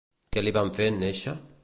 Què li van fer en néixer?